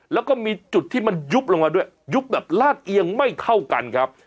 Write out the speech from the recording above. แล้วก็มีจุดที่มันยุบลงมาด้วยยุบแบบลาดเอียงไม่เท่ากันครับ